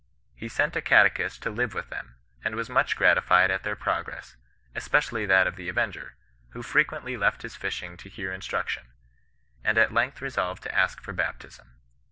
He sent a catechist to live with them, and was much gratified at their progress, especially that of the avenger, who frequently left his fishing to hear instruction, and at length resolved to ask for baptism.